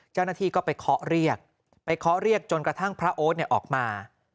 เจ้าหน้าที่ก็ไปเคาะเรียกไปเคาะเรียกจนกระทั่งพระโอ๊ตออกมา